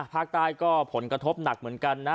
ภาคใต้ก็ผลกระทบหนักเหมือนกันนะ